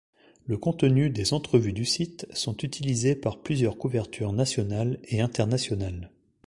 Le contenu des entrevues du site sont utilisés par plusieurs couvertures nationales et internationales.